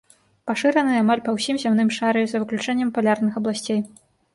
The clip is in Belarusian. Пашыраны амаль па ўсім зямным шары за выключэннем палярных абласцей.